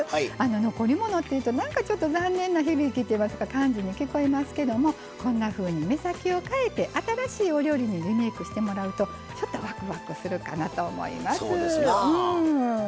残り物っていうとなんかちょっと残念な響きといいますか、そんな感じに聞こえますけど目先を変えて新しいお料理にリメイクしていただくとちょっとワクワクするかなと思います。